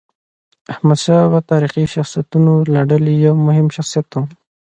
احمدشاه بابا د تاریخي شخصیتونو له ډلې یو مهم شخصیت و.